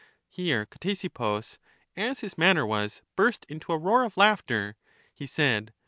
Here Ctesippus, as his manner was, burst into a roar of laughter; he said.